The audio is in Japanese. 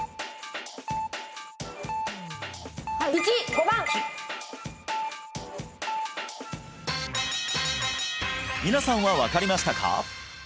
問題皆さんは分かりましたか？